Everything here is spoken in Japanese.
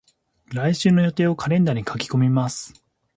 来週の予定をカレンダーに書き込みます。